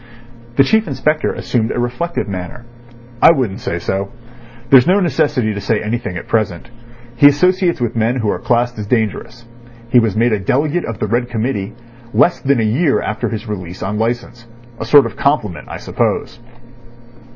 The Chief Inspector assumed a reflective manner. "I wouldn't say so. There's no necessity to say anything at present. He associates with men who are classed as dangerous. He was made a delegate of the Red Committee less than a year after his release on licence. A sort of compliment, I suppose."